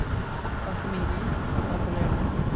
Archimedes. Apollonius.